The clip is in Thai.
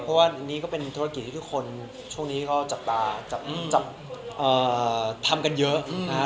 เพราะว่างงี้ก็เป็นธุรกิจที่ทุกคนช่วงนี้ก็จับอาจจะเป็นแต่ที่ทำกันเยอะ